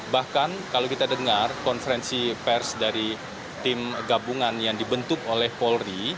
bahkan kalau kita dengar konferensi pers dari tim gabungan yang dibentuk oleh polri